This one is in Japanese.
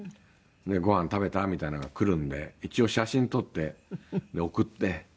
「ごはん食べた？」みたいなのがくるので一応写真撮って送って。